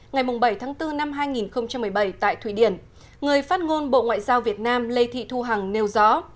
ngày bảy tháng bốn năm hai nghìn một mươi bảy tại thụy điển người phát ngôn bộ ngoại giao việt nam lê thị thu hằng nêu rõ